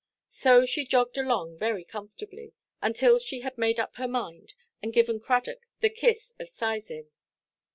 So she jogged along very comfortably, until she had made up her mind, and given Cradock the kiss of seisin.